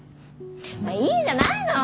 まあいいじゃないの！